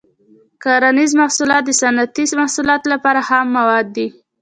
کرنیز محصولات د صنعتي محصولاتو لپاره خام مواد دي.